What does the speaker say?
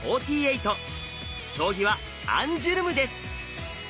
将棋はアンジュルムです。